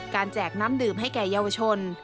แจกน้ำดื่มให้แก่เยาวชน